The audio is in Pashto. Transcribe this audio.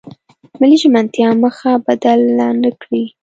ملي ژمنتیا مخه بدله نکړي.